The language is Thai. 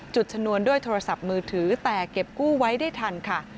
ชนวนด้วยโทรศัพท์มือถือแต่เก็บกู้ไว้ได้ทันค่ะ